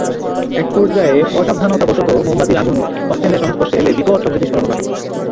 একপর্যায়ে অসাবধানতাবশত মোমবাতির আগুন অকটেনের সংস্পর্শে এলে বিকট শব্দে বিস্ফোরণ ঘটে।